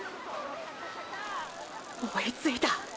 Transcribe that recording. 追いついた！！